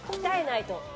鍛えないと。